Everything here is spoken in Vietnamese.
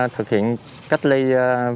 thực hiện cách ly